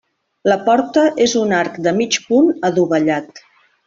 La porta és un arc de mig punt adovellat.